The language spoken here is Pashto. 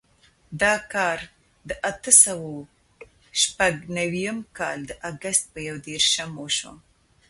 دا کار د اتو سوو شپږ نوېم کال د اګست په یودېرشم وشو.